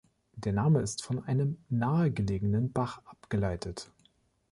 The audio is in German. Der Name ist von einem nahegelegenen Bach abgeleitet.